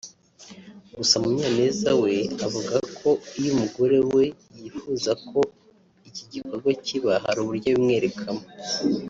Gusa Munyaneza we avuga ko iyo umugore we yifuza ko iki gikorwa kiba hari uburyo abimwerekamo